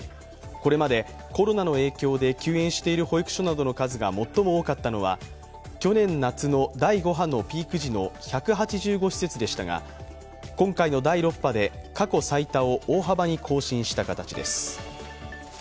これまでコロナの影響で休園している保育所などの数が最も多かったのは去年夏の第５波のピーク時の１８５施設でしたが今回の第６波で過去最多を大幅に更新した形です。